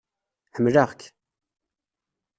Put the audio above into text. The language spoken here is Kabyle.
Ḥemmleɣ-k!